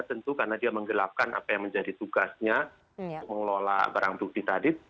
tentu karena dia menggelapkan apa yang menjadi tugasnya untuk mengelola barang bukti tadi